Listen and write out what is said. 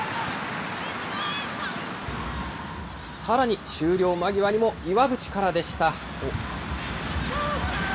さらに終了間際にも岩渕からでした。